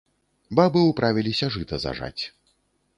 Бабы ўправіліся жыта зажаць.